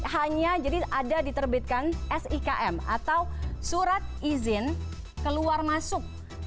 hanya jadi ada diterbitkan sikm atau surat izin keluar masuk